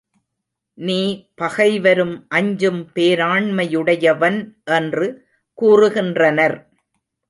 நீ பகைவரும் அஞ்சும் பேராண்மையுடையவன் என்று கூறுகின்றனர்.